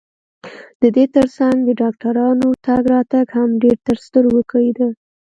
د دې ترڅنګ د ډاکټرانو تګ راتګ هم ډېر ترسترګو کېده.